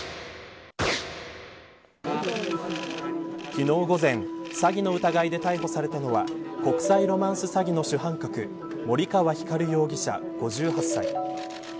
昨日、午前詐欺の疑いで逮捕されたのは国際ロマンス詐欺の主犯格森川光容疑者、５８歳。